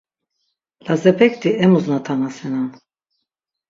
Lazepekti emus natanasenan.